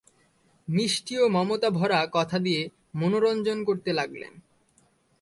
মিষ্টি ও মমতায় ভরা কথা দিয়ে মনোরঞ্জন করতে লাগলেন।